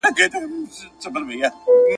ماوې راسه زه به ځان له تا قربان کړم